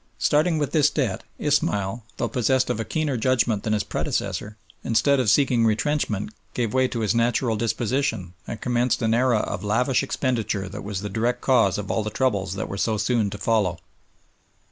Starting with this debt, Ismail, though possessed of a keener judgment than his predecessor, instead of seeking retrenchment, gave way to his natural disposition, and commenced an era of lavish expenditure that was the direct cause of all the troubles that were so soon to follow.